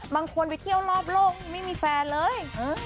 บางคนไปเที่ยวรอบโลกไม่มีแฟนเลย